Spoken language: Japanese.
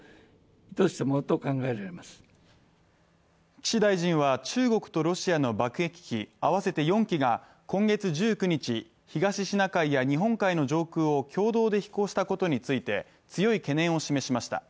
岸大臣は中国とロシアの爆撃機合わせて４機が今月１９日、東シナ海や日本海の上空を共同で飛行したことについて、強い懸念を示しました。